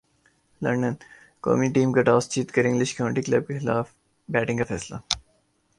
London قومی team کا toss جیت کر انگلش کانٹی کلب کیخلاف بیٹنگ کا فیصلہ